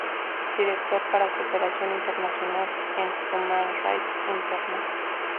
Director para Cooperación Internacional en Human Rights Internet.